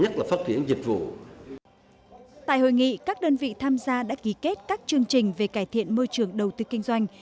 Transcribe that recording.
tại hội nghị các đơn vị tham gia đã ký kết các chương trình về cải thiện môi trường đầu tư kinh doanh